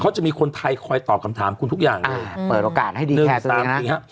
เขาจะมีคนไทยคอยตอบคำถามคุณทุกอย่างอ่าเปิดโอกาสให้ดีหนึ่งสามสี่ฮะ